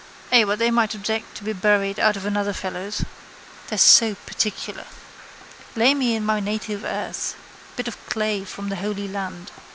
Ay but they might object to be buried out of another fellow's. They're so particular. Lay me in my native earth. Bit of clay from the holy land.